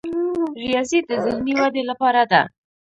ریاضي د ذهني ودې لپاره ده.